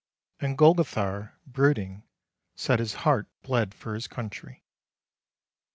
And Golgothar, brooding, said his heart bled for his country.